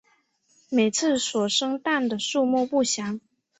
每次所生蛋的数目不详。